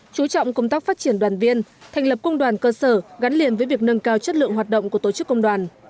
chú trọng công tác phát triển đoàn viên thành lập công đoàn cơ sở gắn liền với việc nâng cao chất lượng hoạt động của tổ chức công đoàn